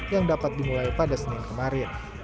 yang dapat dimulai pada senin kemarin